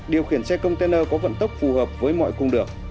điều khiển xe công tư nư có vận tốc phù hợp với mọi cung đường